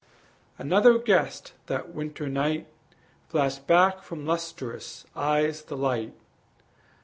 Another guest that winter night Flashed back from lustrous eyes the light.